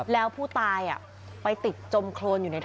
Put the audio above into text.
แล้วผู้ตายไปติดจมโครนอยู่ในท่อ